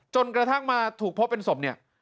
จนกระทั่งมาถูกพบเป็นศพเนี่ย